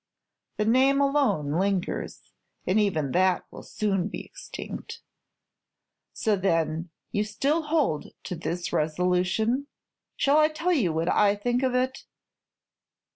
The name alone lingers, and even that will soon be extinct." "So, then, you still hold to this stern resolution? Shall I tell you what I think of it?"